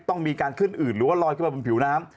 ต้องมีการขึ้นอืดหรือลอยเข้าไปบนผิวน้ำ